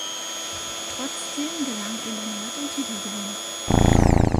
Trotzdem gelang ihm erneut ein Titelgewinn.